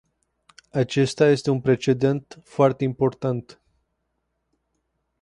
Acesta este un precedent foarte important.